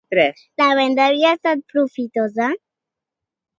La venda havia estat profitosa?